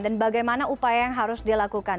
dan bagaimana upaya yang harus dilakukan